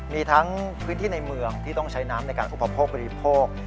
มีทั้งพื้นที่ในเมืองที่ต้องใช้น้ำในการอุปโภคบริโภค